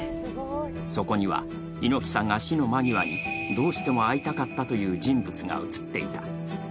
そこには猪木さんが死の間際にどうしても会いたかったという人物が写っていた。